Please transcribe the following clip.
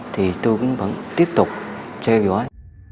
thì tôi vẫn tiếp tục treo dõi